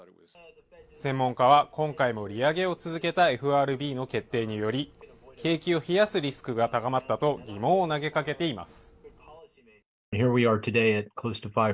専門家は今回も利上げを続けたＦＲＢの決定により、景気を冷やすリスクが高まったと疑問を投げかけています。